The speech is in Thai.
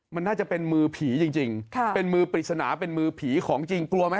มันน่าจะเป็นมือผีจริงเป็นมือปริศนาเป็นมือผีของจริงกลัวไหม